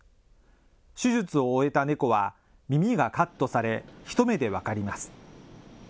手術を終えた猫は耳がカットされ、一目で分かります。